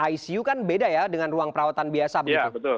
icu kan beda ya dengan ruang perawatan biasa begitu